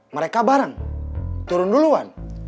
mereka bareng turun duluan